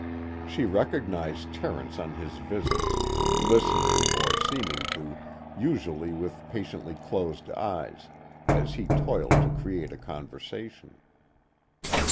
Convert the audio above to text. She recognized Terence on his visits, listening or seeming to, usually with patiently closed eyes, as he toiled to create a conversation.